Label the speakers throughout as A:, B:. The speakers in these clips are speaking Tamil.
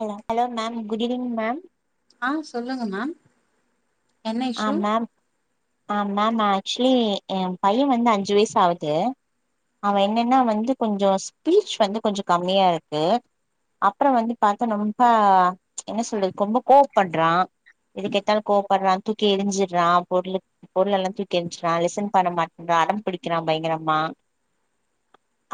A: Hello hello ma'am good evening ma'am
B: ஆ சொல்லுங்க மேம் என்ன
A: ஆ
B: இஷ்யூ
A: மேம் ஆ மேம் நா ஆக்சுவலி எ பைய வந்து அஞ்சு வயசு ஆவுது அவெ என்னன்னா வந்து கொஞ்சொ ஸ்பீச் வந்து கொஞ்சொ கம்மியா இருக்கு அப்பறோ வந்து பாத்தா நொம்பா என்ன சொல்றது ரொம்ப கோவப் பட்றா எதுக்கெத்தாலு கோப்படுறா தூக்கி எரிஞ்சுடுறா பொருள் பொருள் எல்லா தூக்கி எறிஞ்சுடுறா லிசன் பண்ண மாட்டன்றா அடம்புடிக்கிறா பயங்கரமா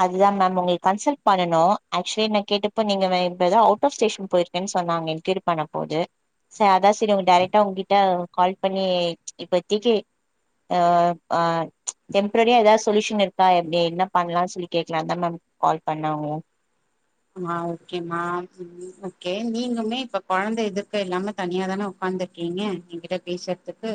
A: அதுதா மேம் உங்கள கன்சல்ட் பண்ணனு ஆக்சுவலி நா கேட்டப்ப நீங்க நா இப்பதா அவுட் ஆஃப் ஸ்டேஷன் போயிரு க்கேன் சொன்னாங்க என்க்யூர் பண்ண போது ச அதா சரி உங்க டைரெக்டா உங்ககிட்ட கால் பண்ணி இப்பத்திக்கு ஆ அ டெம்ப்ரரியா எதாவ் சொல்யூஷன் இருக்கா எப்டி என்ன பண்ணலானு சொல்லி கேக்கலாந்தா மேம் கால் பண்ண உங்கள
B: மா ஓகேமா ம் ஓகே நீங்கமே இப்ப கொழந்த எதிர்க்க இல்லாம தனியா தானே க்காந்துருக்கீங்க எங்கிட்ட பேசுறதுக்கு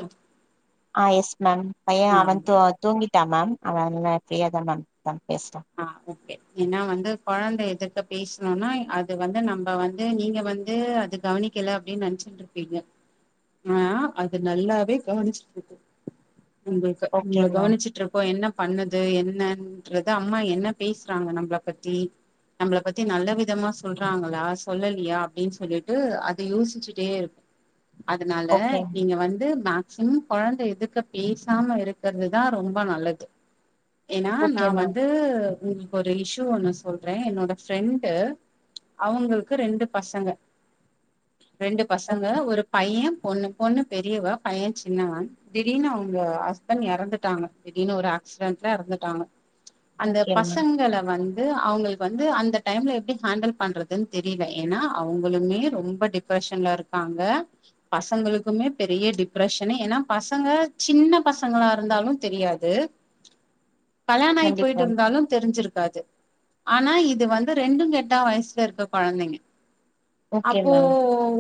A: ஆ எஸ் மேம் பைய அவ தூ
B: ஓகே
A: தூங்கிட்டா மேம் அவெ இல்ல ஃப்ரீயாதா மேம் இருக்க பேசலா
B: ஆ ஓகே ஏனா வந்து கொழந்த எதுர்க்கே பேசணோனா அது வந்து நம்ப வந்து நீங்க வந்து அது கவனிக்கல அப்டின்னு நெனைச்சுக்ட்டுருப்பீங்க ஆனா அது நல்லாவே கவனிச்சுட்டு இருக்கு உங்களுக்கு
A: ஓகே
B: உங்கள
A: மேம்
B: கவனிச்சுட்டுருக்கோ என்ன பண்ணுது என்னன்ற த அம்மா என்ன பேசுறாங்க நம்மள பத்தி நம்மள பத்தி நல்ல விதமா சொல்றாங்களா சொல்லலியா அப்டின்னு சொல்லிட்டு அது யோசிச்சிட்டேருக் அதுனால
A: ஓகே
B: நீங்க வந்து மேக் சிமம் கொழந்த எதுர்க்க பேசாம இருக்கறதுதா ரொம்ப நல்லது ஏனா நா
A: ஓகே மேம்
B: வந்து உங்களுக்கு ஒரு இஷ்யூ ஒன்னு சொல்றே என்னோட ஃப்ரெண்டு் அவுங்களுக்கு ரெண்டு பசங்க ரெண்டு பசங்க
A: ஓகே
B: ஒரு பைய பொண்ணு பொண்ணு பெரியவ பைய சின்னவ திடீர்னு அவுங்க ஹஸ்பண்ட் எறந்துட்டாங்க திடீர்னு ஒரு ஆக்சிடென்ட்ல எறந்துட்டாங்க அந்த
A: ஓகே மேம்
B: பசங்கள வந் து அவுங்களுக்கு வந்து அந்த டைம்ல எப்டி ஹேண்டல் பண்றதுன் தெரியல ஏன்னா அவுங்களுமே ரொம்ப டிப் ரெஷன்ல இருக்காங்க பசங்களுக்குமே பெரிய டிப்ரெஷன்னு ஏன்னா பசங்க சின்ன பசங்களா இருந்தாலு தெரியாது கல்யாணாயி
A: கண்டிப்பா
B: போயிட்டு இருந்தாலு தெரிஞ்சிருக்காது ஆனா இது வந்து ரெண்டு கெட்டா வயசுல இருக்க கொழந்தைங்க
A: ஓகே
B: அப்போ
A: மேம்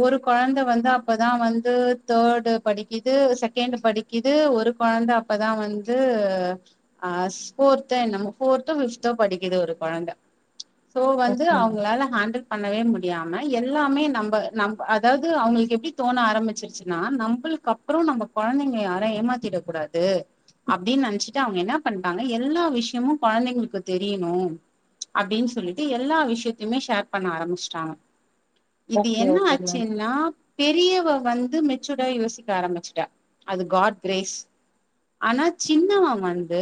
B: ஒரு கொழந்த வந்து அப்பதா வந்து தேர்ட் படிக்கிது செகண்ட் படிக்கிது ஒரு கொழந்த அப் பதா வந்து ஆ ஃபோர்த்தோ என்னமோ ஃபோர்த்தோ பிஃப்த்தோ படிக்கிது ஒரு கொழந்த சோ வந்து
A: ஓகே மேம்
B: அவுங்களால ஹேண்டில் பண்ணவே முடியாம எல்லாமே நம்ப நம்ப அதாவது அவுங்களுக்கு எப்டி தோண ஆரம்பிச்சிருச்சின்னா நம்பளுக்கு அப் றோ நம்ப கொழந்தைங்க யாரையு ஏமாத்திடக் கூடாது அப்டின் நெனச்சிட்டு அவுங்க என்ன பண்டாங்க எல்லா விஷ்யமு கொழந்தைங்களுக்கு தெரியணு அப்டின் சொல்லிட்டு எல்லா விஷ்யத்தயுமே ஷேர் பண்ண ஆரம்பிச்சிட்டாங்க இது
A: ஓகே
B: என்ன
A: ஓகே மேம்
B: ஆச்சின்னா பெரியவ வந்து மெச்சூடாயி யோசிக்க ஆரம்மிச்சுட்டா அது காட் கிரேஸ் ஆனா சின்னவ வந்து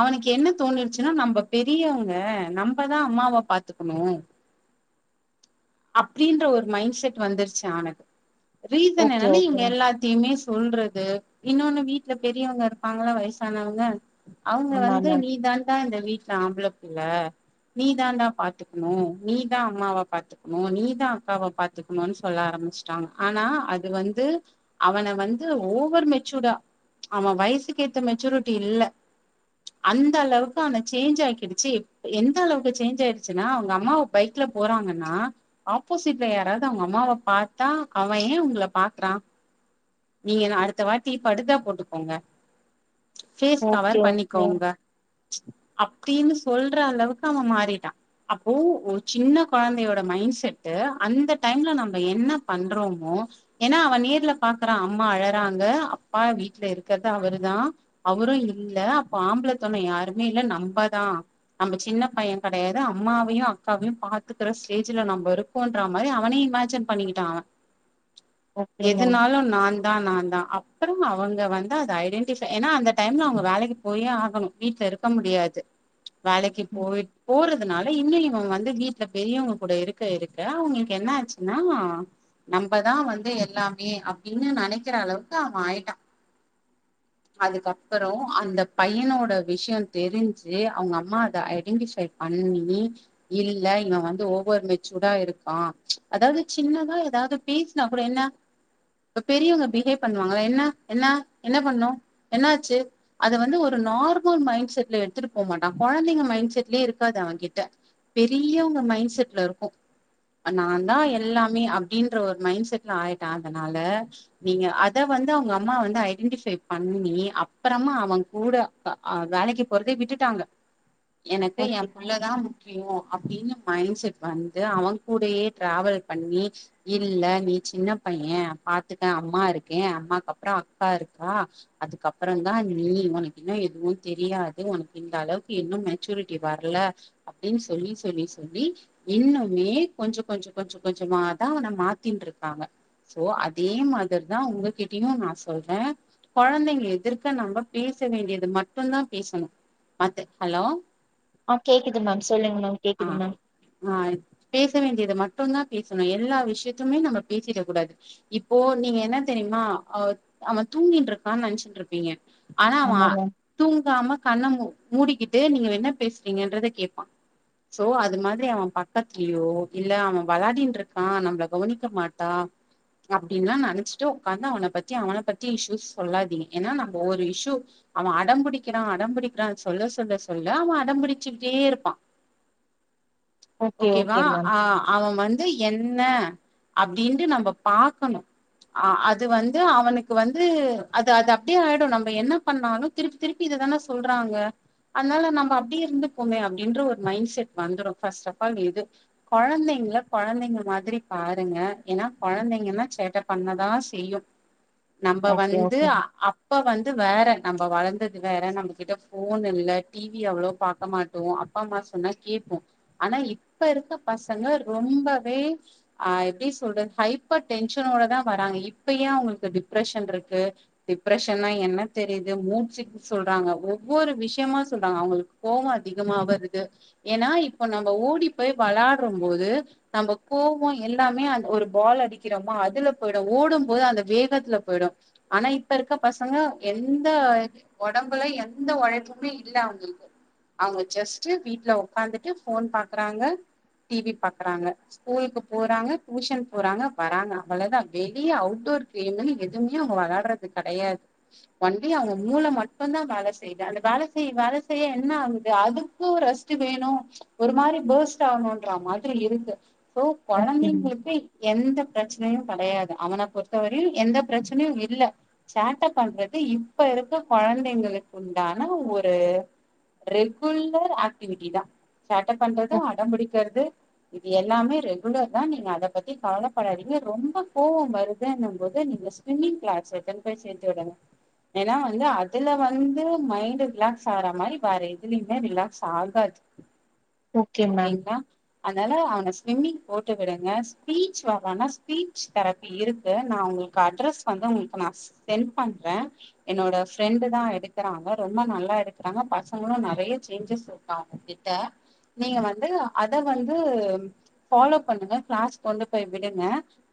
B: அவனுக்கு என்ன தோணிட்ச்சின்னா நம்ப பெரியவங்க நம்பதா அம்மாவ பாத்துக்கணு அப்டின்ற ஒரு மைண்ட் செட் வந்துருச்சி அவனுக்கு ரீசன்
A: ஓகே
B: என்னன்னா
A: ஓகே
B: இவுங்க
A: மேம்
B: எல்லாத்தயுமே சொல்றது இன்னொன்னு வீட்ல பெ ரியவங்க இருப்பாங்கல்ல வயசானவங்க அவுங்க
A: ஆமா
B: வந்து
A: மேம்
B: நீதான்டா இந்த வீட் ல ஆம்பள புள்ள நீதான்டா பாத்துக்குணு நீதா அம்மாவ பாத்துக் கணு நீதா அக்காவ பாத்துக்கணுன்னு சொல்ல ஆரம்மிச்ட்டாங்க ஆனா அது வந்து அவன வந்து ஓவர் மெச்சூடா அவ வயசுக்கு ஏத்த மெச்சூரிட்டி இல்ல அந்தளவுக்கு அவன சேஞ்ச் ஆக்கிடுச்சி இப் எந்த அளவுக்கு சேஞ்ச் ஆயிடுச்சின்னா அவுங்க அம்மாவ பைக்ல போறாங்கன்னா ஆப்போசிட்ல யாராது அவுங்க அம்மாவ பாத்தா அவே ஏ உங்கள பாக்றா நீங்க இன்னு அடுத்த வாட்டி படுதா போட்டுகோங்க பேஃஸ்
A: ஓகே
B: கவர்
A: ஓகே
B: பண்ணிக்கோங்க அப்டின்னு சொல்ற அளவுக்கு அவ மாறிட்டா அப்போ ஒரு சின்ன கொழந்தையோட மைண் செட்டு அந்த டைம்ல நம்ப என்ன பண்றோமோ ஏன்னா அவே நேர்ல பாக்குறா அம்மா அழறாங்க அப்பா வீட்ல இருக் கர்து அவரு தா அவரு இல்ல அப்ப ஆம்பளத் தொணை யாருமே இல்ல நம்பதா நம்ப சின்ன பையே கெடையாது அம்மாவையு அக்காவையு பாத்துக்குற ஸ்டேஜ்ல நம்ப இருக் கோன்ற மாரி அவனே இமேஜின் பண்ணிக்கிட்டா அவே
A: ஓகே மேம்
B: எதுனாலு நாந்தா நாந்தா அப்பறம் அவங்க வந் து அத ஐடென்டிஃபை ஏன்னா அந்த டைம்ல அவங்க வேலைக்கி போயே ஆகணு வீட்ல இருக்க முடியாது வேலைக்கி
A: ம்
B: போய் போறதுனால இன்னு இவே வந்து வீட்ல பெரியவங்க கூட இருக் க இருக்க அவுங்களுக்கு என்ன ஆச்சின்னா நம்பதா வந்து எல்லாமே அப்டின்னு நெனக்கிற அளவுக்கு அவே ஆயிட்டா அதுக்கப்பறோ அந்த பையனோட விஷ்யோ தெரிஞ்சி அவுங்க அம்மா அத ஐடென்டிஃபை பண்ணி இல்ல இவே வந்து ஓவர் மெச்சூடா இருக்கா அதாது சின்னதா ஏதாது பேசுனா கூட என்ன இப்ப பெரியவங்க பிஹேவ் பண்ணுவாங்கல்ல என்ன என்ன என்ன பண்ணனு என்ன ஆச்சி அது வந்து ஒரு நார்மல் மைண்ட் செட்ல எடுத்துட்டு போ மாட்டா கொழந்தைங்க மைண்ட் செட்லே இருக்காது அவ கிட்ட பெரியவங்க மைண்ட் செட்ல இருக்கு அ நா தா எல்லாமே அப்டீன்ற ஒரு மைண்ட் செட்ல ஆயிட்டா அதனால நீங்க அத வந்து அவங்க அம்மா வந்து ஐ டெண்டிஃபை பண்ணி அப்பறமா அவங்கூட அ அ வேலைக்கு போறதே விட்டுட்டாங்க எனக்கு எ
A: ஓகே
B: புள்ள தா
A: ம்.
B: முக்கியோ அப்டீன்னு மைண்ட் செட் வந்து அவங் கூடயே ட்ராவல் பண்ணி இல்ல நீ சின்ன பைய பாத்துக்க அம்மா இருக்கே அம்மாக்கு அப்பறோ அக்கா இருக்கா அதுக்கப்பறோ தா நீ உனக்கு இன்னு எதுவு தெரியாது உனக்கு இந்த அளவுக்கு இன்னுமே மெச்சூரிட்டி வரல அப்டின்னு சொல்லி சொல்லி சொல்லி இன்னுமே கொஞ்சோ கொஞ்சோ கொஞ்சோ கொஞ்சமாதா அவன மாத்தின்டுருக்காங்க சோ அதே மாதிர் தா உங்ககிட்டயு நாஸ் சொல்றே கொழந்தைங்க எதிர்க்க நம்ம பேச வேண்டியது மட்டு தா பேசணு மத்த ஹலோ
A: ஆ கேக்குது மேம் சொல்லுங்க மேம்
B: ஆ
A: கேக்குது மேம்
B: ஆ பேச வேண்டியது மட்டுதா பேசணு எல்லா விஷயத்துமே நம்ம பேசிட கூடாது இப்போ நீங்க என்ன தெரிமா அவ் அவ தூங்கின்ருக்கான்னு நெனச்சுன்ருப்பீங்க அனா அவ
A: ஆமா
B: ஆ
A: மேம்
B: தூங்காம கண்ண மூ மூடிக்கிட்டு நீங்க என்ன பேசுறீங்கன்றத கேப்பா சோ அது மாதிரி அவ பக்கத்துலயோ இல்ல அவ விளாடின்ருக்கா நம்மள கவனிக்க மாட்டா அப்டின்லா நெனச்ட்டு ஒக்காந்து அவன பத்தி அவன பத்தி இஸ்யூஸ் சொல்லாதீங்க ஏன்னா நம்ம ஒரு இஷ்யூ அவ அடம்புடிக்கறா அடம்புடிக்கறா சொல்ல சொல்ல சொல்ல அவ அடம்புடிச்சுட்டே இருப்பா
A: ஓகே
B: ஓகேவா
A: ஓகே மேம்
B: ஆ அவ வந் து என்ன அப்டின்ட்டு நம்ப பாக்கணு அ அது வந்து அவனு க்கு வந்து அது அது அப்டியே ஆயிடு நம்ம என்ன பண்ணாலு திருப்பி திருப்பி இததான சொல்றாங்க அதனால நம்ம அப்டியே இருந்துப்போமே அப்டின்ற ஒரு மைண்ட் செட் வந்துரு ஃபர்ஸ்ட் அஃப்பால் இது கொழந்தைங்கல கொழந்தைங்க மாதிரி பாருங்க ஏன்னா கொழந்தைங்கன்னா சேட்ட பண்ணதா செய்யு நம்ப
A: ஓகே
B: வந்து
A: ஓகே
B: அ
A: மேம்.
B: அப் ப வந்து வேற நம்ம வளந்தது வேற நம்மகிட்ட போன் இல்ல டி வி அவ்வளோ பாக்க மாட் டோ அப்பா அம்மா சொன்னா கேப்போ அனா இப்ப இருக்க பசங்க ரொம்பவே ஆ எப்டி சொல்றது ஹைப்பர் டென்ஷனோடதா வராங்க இப்ப ஏ அவுங்களுக்கு டிப்ரெஷன்ருக்கு டிப்ரெஷன்னா என்ன தெரிது மூச்சி சொல்றாங்க ஒவ்வொரு விஷயமா சொல்றாங்க அவங்களுக்கு கோவோ அதிகமா வருது ஏன்னா இப்ப நம்ம ஓடி போய் விளாடுறம் போது நம்ப கோவோ எல்லாமே அந் ஒரு பால் அடிக்கறமா அதுல போயிடு ஓடும்போது அந்த வேகத்துல போயிடு அனா இப்ப இருக்க பசங்க எந்த ஒடம்புல எந்த ஒழைப்புமே இல்ல அவங்களுக்கு அவுங்க ஜஸ்ட் வீட்ல ஒக்காந்துட்டு போன் பாக்கறாங்க டி வி பாக்கறாங்க ஸ்கூலுக்கு போறாங்க டியூஷன் போறாங்க வராங்க அவ்வளதா வெளிய அவுட்டோர் கேம்மு எது எங்யூ அவங்க வெளையாடுறது கெடையாது ஒன்லி அவங்க மூள மட்டுதா வேல செய்து அந்த வேல செய் வேல செய்ய என்ன ஆகுது அதுக்கு ரெஸ் ட்டு வேணு ஒரு மாரி பர்ஸ்ட் ஆகணுன்ற மாதிரி இருந்து சோ
A: ஓகே மேம்
B: கொழந்திங்களுக்கு எந்த பிரச்சனையூ கெடையாது அவன பொறுத்தவரையு எந்த பிரச்சனையு இல்ல சேட்ட பண்றது இப்ப இருக்க கொழந்தைங்களுக்கு உண்டான ஒரு ரெகுலர் ஆக்டிவிட்டிதா சேட்ட பண்றது
A: ஓ
B: அடம் புடிக்கிறது எல்லாமே ரெகுலர்தா நீங்க அத பத்தி காலப்படாதீங்க ரொம்ப கோவம் வருதுன்னும்போது நீங்க ஸ்விம்மிங் க்ளாஸ் எத்துனு போய் சேத்து விடுங்க ஏன்னா வந்து அதுல வந்து மைண்ட் ரிலாக்ஸ் ஆகுர மாரி வேற எதுலயுமே ரிலாக்ஸ் ஆகாது
A: [inaudible] மேம்
B: ஓகேங்ளா அதனால அவன ஸ்விம்மிங் போட்டு விடுங்க ஸ்பீச் வரவானா ஸ்பீச் தெரபி இருக்கு நா உங்களுக் கு அட்ரஸ் வந்து உங்களுக்கு நா சென்ட் பண்றே என்னோட ஃப்ரெண்டுதா எடுக்கிறாங்க ரொம்ப நல்லா எடுக்கிறாங்க பசங்களு நறைய சேஞ்சஸ் அவங்ககிட்ட நீங்க வந்து அத வந்து ஃபாலோ பண்ணுங்க கிளாஸ் கொண்டு போய் விடுங்க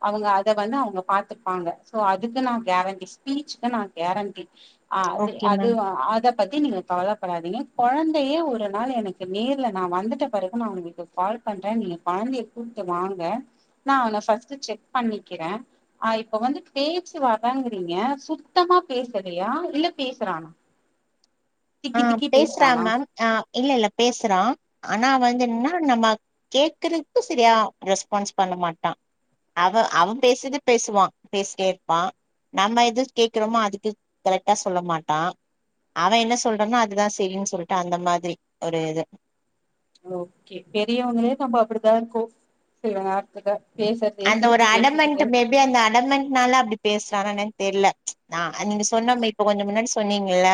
B: அவங்க அத வந்து அவங்க பாத்துப்பாங்க சோ அதுக்கு நா கேரண்டி ஸ்பீச்க்கு நா கேரண்டி அ
A: ஓகே
B: அது
A: மேம்
B: அத பத்தி நீங்க கவலைப்படாதீங்க கொழந்தைய ஒரு நாள் எனக்கு நேர்ல நா வந்துட்ட பிறகு நா உங்களுக்கு கால் பண்றே நீங்க கொழந்தைய கூப்ட்டு வாங்க நா அவனை ஃபர்ஸ்ட் செக் பண்ணிக்கிறே ஆ இப்ப வந்து பேச்சு வரலங்கிறீங்க சுத்தமா பேசலையா இல்ல பேசுறானா
A: ஆ
B: திக்கி திக்கி
A: பேசுறா
B: பேசுறானா
A: மேம் ஆ இல்ல இல்ல பேசுறா ஆனா வந்து என்னனா நம்ம கேக்குறக்கு செரியா ரெஸ்பான்ஸ் பண்ண மாட்டா அவ அவன் பேசுறது பேசுவா பேசிட்டேஇருப்பா நம்ம எது கேக்றமோ அதுக்கு கரெக்டா சொல்ல மாட்டா, அவ என்ன சொ சொல்றானோ அதுதா செரினு சொல்ட்டு அந்த மாரி ஒரு இது
B: ஓகே பெரியவங்களே நம்ம அப்படிதா இருக்கோ சில நேரத்துல பேசுறதயே திருப்பி பேசிக்கிட்டு
A: எப்டி அந்த அடமென்ட்னால அப்டி பேசுறானா என்னன்னு தெரில ஆ நீங்க சொன்னோம்மே இப்ப கொஞ்ச முன்னாடி சொன்னீங்கல்ல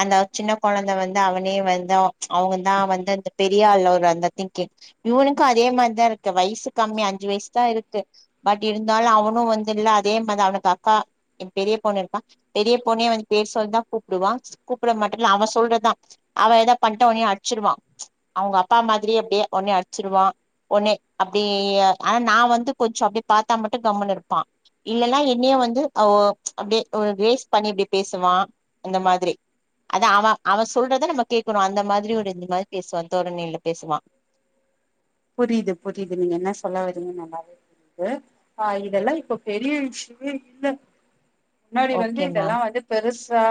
A: அந்த சின்ன கொழந்தை வந்து அவனே வந்து அவங்கதா வந்து அந்த பெ ரிய ஆள்னு ஒரு அந்த திங்கிங் இவனுக்கு அதே மாரிதா இருக்கு வயசு கம்மி அஞ்சு வயசுதா இருக்கு பட் இருந்தாலு அவனு வந்து இல்ல அதே மாரிதா அவனுக்கு அக்கா எ பெரிய பொண்ணு இருக்கா பெரிய பொண்ணே வந்து பேர் சொல்லிதா கூப்பிடுவா கூப்ட மாட்டு இல்ல அவ சொல்றதா அவள் ஏதா பண்ட்ட ஒடனே அடிச்சிருவா அவங்க அப்பா மாதிரியே அப்படியே ஒடனே அடிச்சிடுவா ஒடனே அப்டி ஆனா நா வந்து கொஞ்சோ அப்டியே பாத்தா மட்டு கம்முனு இருப்பா இல்லன்னா என்னையே வந்து அவ அப்டியே ரேஸ் பண்ணி இப்டி பேசுவா அந்த மாதிரி அதா அவ அவ சொல்றத நம்ம கேக்கணு அந்த மாதிரி ஒரு இந்த மாதிரி பேசுவா தோரணைல பேசுவா
B: புரியுது புரியுது நீங்க என்ன சொல்ல வரீங்கன்னு நல்லாவே து ஆ இதெல்லா இப்ப பெரிய விஷயமே இல்ல முன்னாடி வந்து
A: ஓகே
B: இதெல்லா
A: மேம்
B: வந்து பெருசா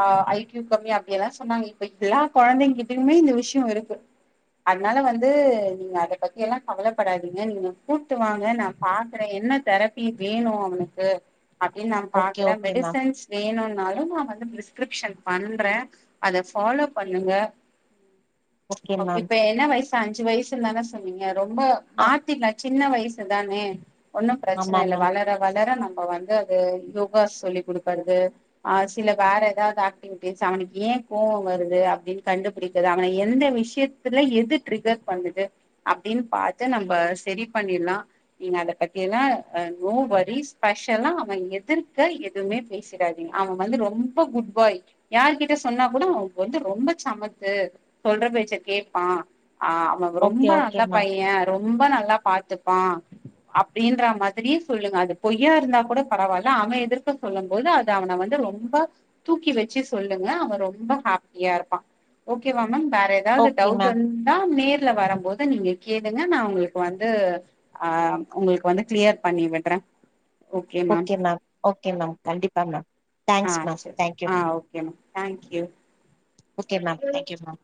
B: ஆ ஐ க்யூ கம்மி அப்டி எல்லா சொன்னாங்க இப்ப எல்லா கொழந்தைங்கிட்டயுமே இந்த விஷயோ இருக்கு அதனால வந்து நீங்க அத பத்தி எல்லா கவலைப்படாதீங்க நீங்க கூப்ட்டு வாங்க நா பாக்குறே என்ன தெரப்பி வேணு அவனுக்கு அப்படின்னு நா
A: ஓகே
B: பாக்குறே
A: ஓகே மேம்
B: மெடிசன்ஸ் வேணுன்னாலு நா வந்து பிரிஸ்கிரிப்ஷன் பண்றே அத ஃபாலோ பண்ணுங்க
A: [inaudible]
B: அ
A: மேம்
B: இப்ப என்ன வயசு அஞ்சு வயசுனுதானே சொன்னீங்க ரொம்ப
A: ஆ
B: மாத்தி எங்காச்சு சின்ன வயசுதானே ஒன்னு பிரச்சன
A: ஆமா
B: இல்ல
A: மேம்
B: வளர வளர நம்ம வந்து அது யோகா சொல்லி குடுக்கறது ஆ சில வேற ஏதாவது ஆக்டிவிட்டிஸ் அவனுக்கு ஏ கோவ வருது அப்டின் கண்டுபிடிக்கது அவன எந்த விஷயத் ல எது ட்ரிகர் பண்ணுது அப்டின் பாத்து நம்ம சரி பண்ணிர்லா நீங்க அத பத்தி எல்லா நோ வரிஸ் ஸ்பெஷல்லா அவ எதிர்க்க எதுமே பேசிறாதீங் அவ வந்து ரொம்ப குட் பாய் யாருகிட்ட சொன்னா கூட அவ வந்து ரொம்ப சமத்து சொல்ற பேச்ச கேப்பா ஆ அவ ரொம்ப
A: ஓகே
B: நல்
A: ஓகே மேம்
B: பய ரொம்ப நல்லா பாத்துப்பா. அப்டின்ற மாதிரியே சொல்லுங்க அது பொய்யா இருந்தா கூட பரவால்ல அவ எதிர்க்க சொல்லு ம் போது அது அவன வந்து ரொம்ப தூக்கி வச்சு சொல்லுங்க அவ ரொம்ப ஹாப்பியா இருப்பா ஓக்கேவா மேம் வேற ஏதாவது
A: ஓகே
B: டவுட்
A: மேம்
B: இருந்தா நேர்ல வரும்போ து நீங்க கேளுங்க நா உங்களுக்கு வந்து ஆ உங்களுக்கு வந்து கிளியர் பண்ணி விட்றே
A: ஓக்கே மேம் ஓக்கே மேம் கண்டிப்பா மேம்
B: ஆ
A: தேங்க்ஸ் மேம்
B: சரி
A: தேங்க்யூ
B: ஆ ஓக்கே மா thank you
A: okay ma'am thank you ma'am